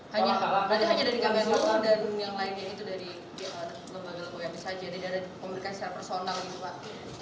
hanya dari kmn sr dan yang lainnya itu dari bumb bumb bumb bumb saja tidak ada komunikasi secara personal gitu pak